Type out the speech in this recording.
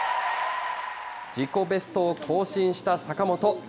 自己ベストを更新した坂本。